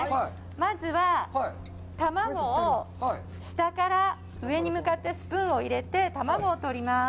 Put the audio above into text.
まずは、下から上に向かってスプーンを使って卵をとります。